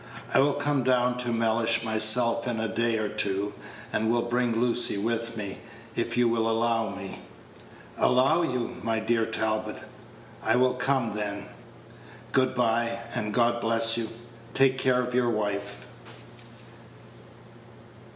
I will come down to Mellish myself in a day or two, and will bring Lucy with me, if you will allow me." "Allow you, my dear Talbot!" "I will come, then. Good by, and God bless you! Take care of your wife."